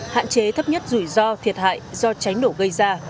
hạn chế thấp nhất rủi ro thiệt hại do cháy nổ gây ra